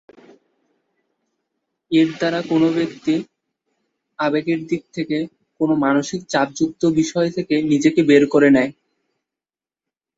এর দ্বারা কোন ব্যক্তি আবেগের দিক থেকে কোন মানসিক চাপযুক্ত বিষয় থেকে নিজেকে বের করে নেয়।